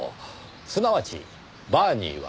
すなわちバーニーは偽名。